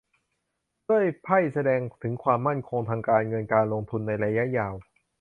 ด้วยไพ่แสดงถึงความมั่นคงทางการเงินการลงทุนในระยะยาว